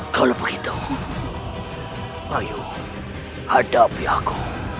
kalau begitu ayo hadapi aku